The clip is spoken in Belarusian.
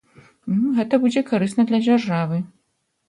Гэта будзе карысна для дзяржавы.